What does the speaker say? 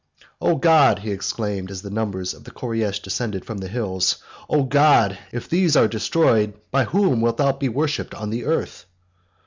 "O God," he exclaimed, as the numbers of the Koreish descended from the hills, "O God, if these are destroyed, by whom wilt thou be worshipped on the earth?